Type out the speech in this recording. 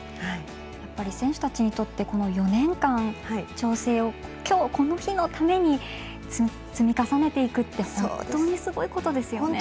やっぱり選手たちにとってこの４年間調整を、きょう、この日のために積み重ねていくって本当にすごいことですよね。